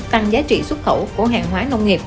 tăng giá trị xuất khẩu của hàng hóa nông nghiệp